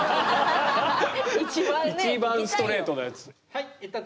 一番ストレートなやつ。